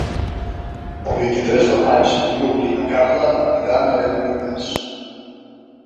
El vint-i-tres de maig en Lluc i na Carla aniran a Benavites.